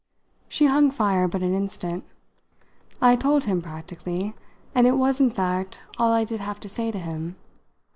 She hung fire but an instant. "I told him, practically and it was in fact all I did have to say to him.